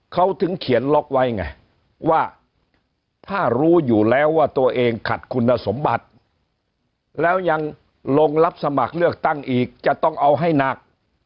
เขาถึงเขียนล็อกไว้ไงว่าถ้ารู้อยู่แล้วว่าตัวเองขัดคุณสมบัติแล้วยังลงรับสมัครเลือกตั้งอีกจะต้องเอาให้หนัก